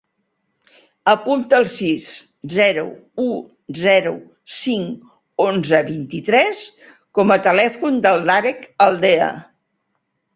Apunta el sis, zero, u, zero, cinc, onze, vint-i-tres com a telèfon del Darek Aldea.